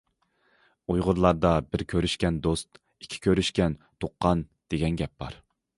ئۇيغۇرلاردا‹‹ بىر كۆرۈشكەن دوست، ئىككى كۆرۈشكەن تۇغقان›› دېگەن گەپ بار.